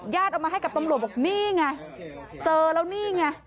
เอามาให้กับตำรวจบอกนี่ไงเจอแล้วนี่ไง